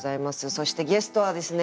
そしてゲストはですね